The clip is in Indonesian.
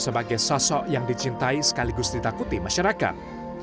sebagai sosok yang dicintai sekaligus ditakuti masyarakat